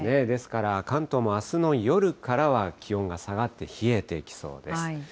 ですから、関東もあすの夜からは気温が下がって冷えてきそうです。